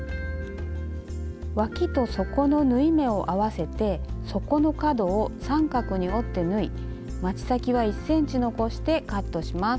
わきと底の縫い目を合わせて底の角を三角に折って縫いまち先は１ｃｍ残してカットします。